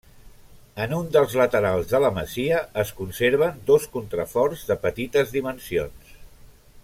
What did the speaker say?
En un dels laterals de la masia es conserven dos contraforts de petites dimensions.